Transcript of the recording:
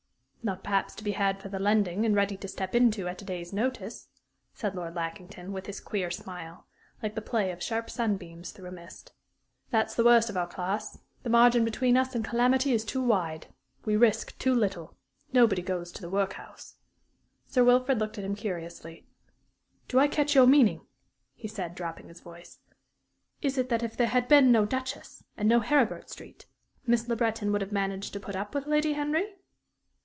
"Not perhaps to be had for the lending, and ready to step into at a day's notice," said Lord Lackington, with his queer smile, like the play of sharp sunbeams through a mist. "That's the worst of our class. The margin between us and calamity is too wide. We risk too little. Nobody goes to the workhouse." Sir Wilfrid looked at him curiously. "Do I catch your meaning?" he said, dropping his voice; "is it that if there had been no Duchess, and no Heribert Street, Miss Le Breton would have managed to put up with Lady Henry?"